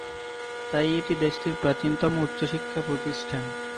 তাই এটি দেশটির প্রাচীনতম উচ্চশিক্ষা প্রতিষ্ঠান।